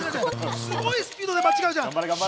すごいスピードで間違うじゃん。